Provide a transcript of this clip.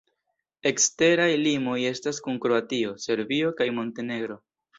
Eksteraj limoj estas kun Kroatio, Serbio kaj Montenegro.